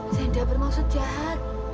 saya tidak bermaksud jahat